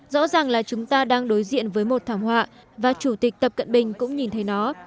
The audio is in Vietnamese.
rõ ràng là chúng ta đang đối diện với một thảm họa và chủ tịch tập cận bình cũng nhìn thấy nó